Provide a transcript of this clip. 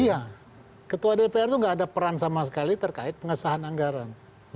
iya ketua dpr itu nggak ada peran sama sekali terkait pengesahan anggaran